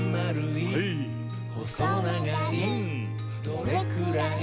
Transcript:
「どれくらい？